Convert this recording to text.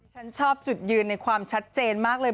ฉันชอบจุดยืนในความชัดเจนมากเลย